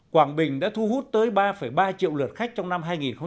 quảng bình đã thu hút tới ba ba triệu lượt khách trong năm hai nghìn một mươi bảy